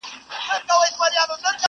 څو سړکه ليري د نورمحمد تره کي کور وو